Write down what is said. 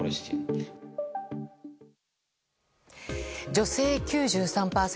女性９３％。